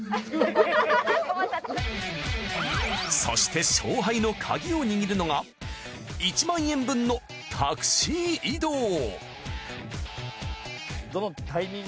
そして勝敗のカギを握るのが１万円分のタクシー移動。